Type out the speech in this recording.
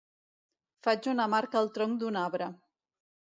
Faig una marca al tronc d'un arbre.